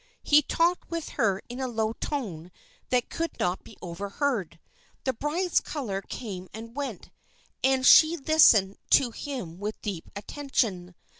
He talked with her in a low tone that could not be overheard. The bride's color came and went, and she listened to him with deep attention.